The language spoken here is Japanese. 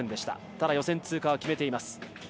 ただ予選通過は決めています。